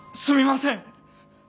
すみません！